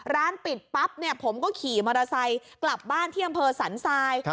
ร้านปิดปั๊บเนี่ยผมก็ขี่มอเตอร์ไซค์กลับบ้านที่อำเภอสันทราย